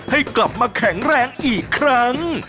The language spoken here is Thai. ให้กลับมาแข็งแรงอีกครั้ง